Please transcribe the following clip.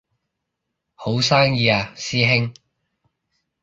好生意啊師兄